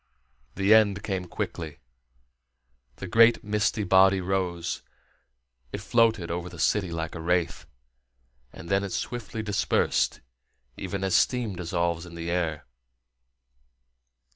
The end came quickly. The great misty body rose; it floated over the city like a wraith, and then it swiftly dispersed, even as steam dissolves in the air.